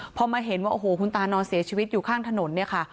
พอมาเห็นว่าโอ้โหคุณตานอนเสียชีวิตอยู่ข้างถนนเนี่ยค่ะ